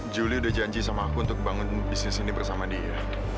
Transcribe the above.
juli udah janji sama aku untuk bangun bisnis ini bersama dia